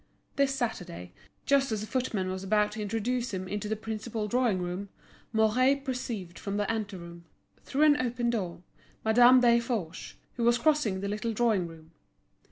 This Saturday, just as a footman was about to introduce him into the principal drawing room, Mouret perceived from the anteroom, through an open door, Madame Desforges, who was crossing the little drawing room.